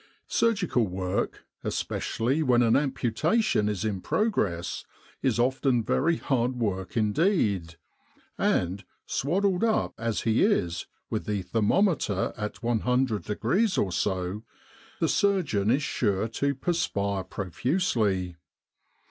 Surgical work, especially when an amputation is in progress, is often very hard work indeed; and, swaddled up as he is, with the thermometer at 100 degrees or so, the surgeon is sure to perspire profusely.